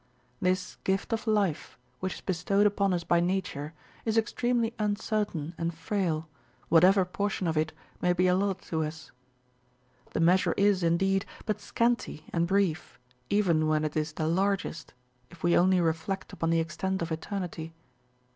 This gift of life, which is bestowed upon us by nature, is extremelj'' uncertain and frail, whatever portion of it may be allotted to us. The measure is, indeed, but scanty and brief, even when it is the largest, if we only reflect upon the extent of eternity.